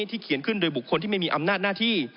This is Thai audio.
เขียนขึ้นโดยบุคคลที่ไม่มีอำนาจหน้าที่